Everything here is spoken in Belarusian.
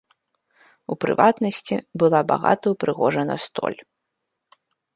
У прыватнасці, была багата ўпрыгожана столь.